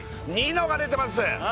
ニノが出てます